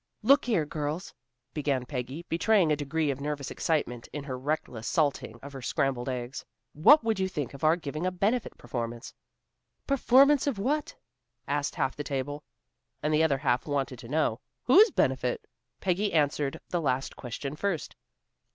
"Look here, girls," began Peggy, betraying a degree of nervous excitement in her reckless salting of her scrambled eggs, "what would you think of our giving a benefit performance?" "Performance of what?" asked half the table. And the other half wanted to know, "Whose benefit?" Peggy answered the last question first.